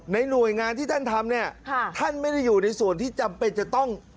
หน่วยงานที่ท่านทำเนี่ยท่านไม่ได้อยู่ในส่วนที่จำเป็นจะต้อง